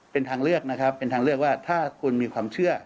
เป็นทางเลือกนะครับเป็นทางเลือกว่าถ้าคุณมีความเชื่อ